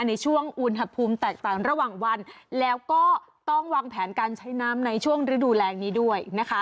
ในช่วงอุณหภูมิแตกต่างระหว่างวันแล้วก็ต้องวางแผนการใช้น้ำในช่วงฤดูแรงนี้ด้วยนะคะ